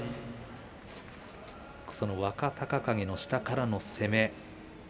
若隆景の下からの攻め。